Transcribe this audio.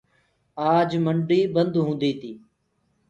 آج منڊي بند هوندي تي۔